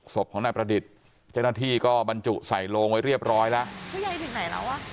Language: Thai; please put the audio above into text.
ศพของนายประดิษฐ์จากหน้าที่ก็บรรจุใส่ลงไว้เรียบร้อยแล้ว